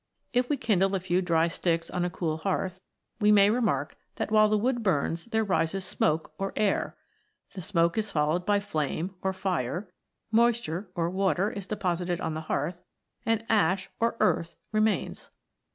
If we kindle a few dry sticks on a cool hearth, we may remark that while the wood burns there rises smoke or air ; the smoke is fol lowed by flame or fire; moisture or water is depo sited on the hearth ; and ash or earth remains.